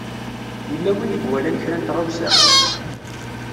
Yella win i iwalan kra n tɣawsa?